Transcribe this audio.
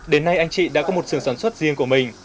đến nay anh chị đã có một sưởng sản xuất riêng của mình